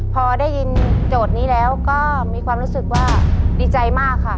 พอได้ยินโจทย์นี้แล้วก็มีความรู้สึกว่าดีใจมากค่ะ